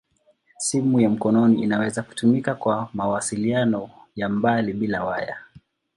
Simu ya mkononi inaweza kutumika kwa mawasiliano ya mbali bila waya.